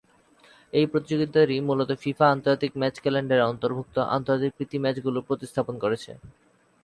এই প্রতিযোগিতাটি মূলত ফিফা আন্তর্জাতিক ম্যাচ ক্যালেন্ডারের অন্তর্ভুক্ত আন্তর্জাতিক প্রীতি ম্যাচগুলো প্রতিস্থাপন করেছে।